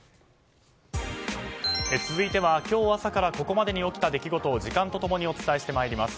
続いては今日朝からここまでに起きた出来事を時間とともにお伝えします。